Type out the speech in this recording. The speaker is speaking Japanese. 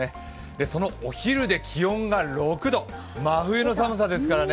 そのお昼で気温が６度、真冬の寒さですからね